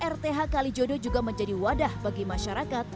rth kalijodo juga menjadi wadah bagi masyarakat